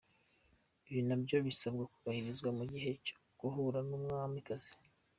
Ibi ni na byo bisabwa kubahirizwa mu gihe cyo guhura n’Umwamikazi.